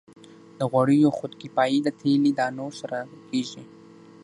د غوړیو خودکفايي د تیلي دانو سره کیږي.